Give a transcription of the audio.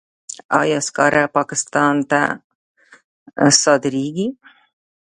آیا سکاره پاکستان ته صادریږي؟